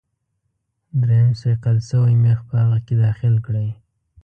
دریم صیقل شوی میخ په هغه کې داخل کړئ.